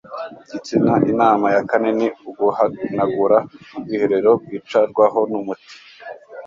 gitsina. inama ya kane ni uguhanagura ubwiherero bwicarwaho n'umuti